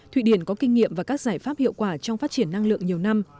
thụy điển có kinh nghiệm và các giải pháp hiệu quả trong phát triển năng lượng nhiều năm